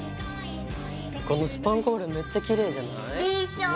このスパンコールめっちゃきれいじゃない？でしょ！